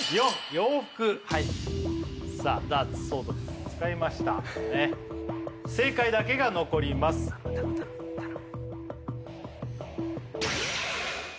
洋服さあダーツソード使いました正解だけが残ります頼む頼む頼む